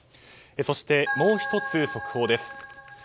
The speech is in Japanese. そして、もう１つ速報です。